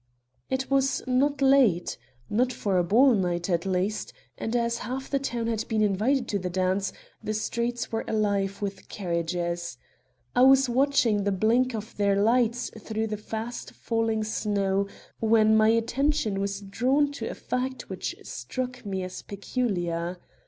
It was not late not for a ball night, at least and as half the town had been invited to the dance, the streets were alive with carriages. I was watching the blink of their lights through the fast falling snow when my attention was drawn to a fact which struck me as peculiar.